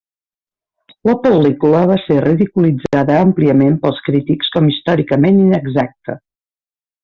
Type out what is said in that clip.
La pel·lícula va ser ridiculitzada àmpliament pels crítics com històricament inexacta.